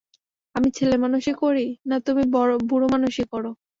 আমি ছেলেমানুষি করি, না তুমি বুড়োমানুষি কর!